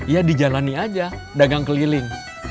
ya dijalani aja dagang keliling